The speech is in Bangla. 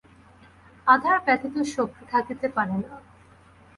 আধার ব্যতীত শক্তি থাকিতে পারে না।